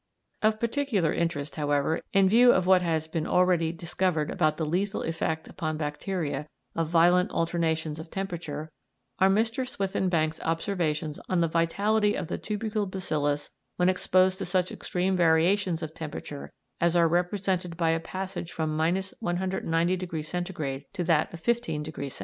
Of particular interest, however, in view of what has been already discovered about the lethal effect upon bacteria of violent alternations of temperature, are Mr. Swithinbank's observations on the vitality of the tubercle bacillus when exposed to such extreme variations of temperature as are represented by a passage from 190° C. to that of 15° C.